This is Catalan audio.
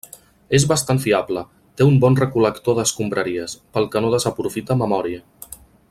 És bastant fiable, té un bon recol·lector d'escombraries, pel que no desaprofita memòria.